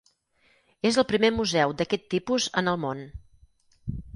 És el primer museu d'aquest tipus en el món.